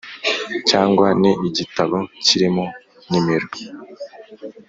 cyangwa ni igitabo kirimo numero